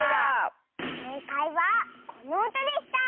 せいかいはこのうたでした。